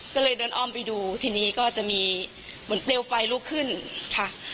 ก็เลยเดินอ้อมไปดูทีนี้ก็จะมีเหมือนเปลวไฟลุกขึ้นค่ะ